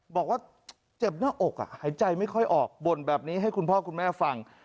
บอกว่าเจ็บหน้าอกหายใจไม่ค่อยออกบ่นแบบนี้ให้คุณพ่อคุณแม่ฟัง